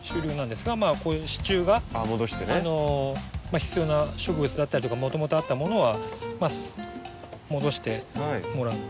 必要な植物だったりとかもともとあったものは戻してもらって。